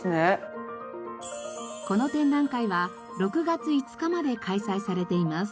この展覧会は６月５日まで開催されています。